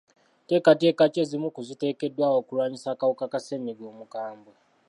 Nteekateeka ki ezimu ku ziteekeddwawo okulwanyisa akawuka ka ssenyiga omukambwe?